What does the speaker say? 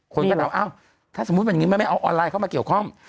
คนก็ต้องเอาถ้าสมมุติว่าอย่างนี้ไม่เอาออนไลน์เข้ามาเกี่ยวข้อม